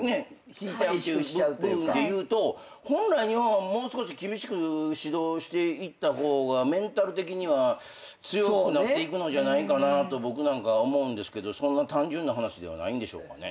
引いちゃう部分でいうと本来日本はもう少し厳しく指導していった方がメンタル的には強くなっていくのじゃないかなと僕なんかは思うんですけど単純な話ではないんでしょうかね。